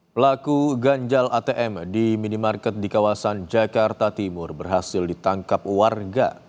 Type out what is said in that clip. pelaku ganjal atm di minimarket di kawasan jakarta timur berhasil ditangkap warga